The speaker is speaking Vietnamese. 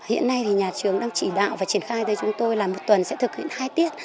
hiện nay thì nhà trường đang chỉ đạo và triển khai tới chúng tôi là một tuần sẽ thực hiện hai tiết